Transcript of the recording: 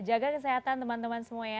jaga kesehatan teman teman semua ya